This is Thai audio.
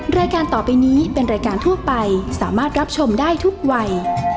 รายการต่อไปนี้เป็นรายการทั่วไปสามารถรับชมได้ทุกวัย